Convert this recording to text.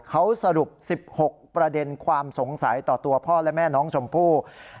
เขาสรุป๑๖ประเด็นความสงสัยต่อตัวพ่อและแม่น้องชมพู่